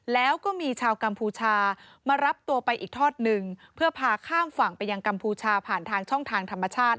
แล้วก็มีชาวกัมพูชามารับตัวไปอีกทอดหนึ่งเพื่อพาข้ามฝั่งไปยังกัมพูชาผ่านทางช่องทางธรรมชาติ